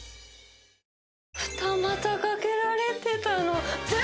「二股かけられてたの」